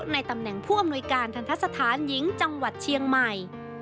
ในตำแหน่งผู้อำนวยการทันทะสถานหญิงจังหวัดเชียงใหม่